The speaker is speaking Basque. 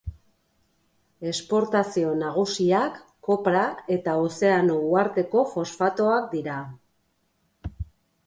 Esportazio nagusiak kopra eta Ozeano uharteko fosfatoak dira.